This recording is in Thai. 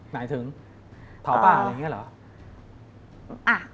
หมายถึงเผาป่าอะไรอย่างนี้เหรอ